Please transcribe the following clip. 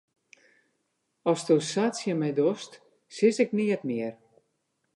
Asto sa tsjin my dochst, sis ik neat mear.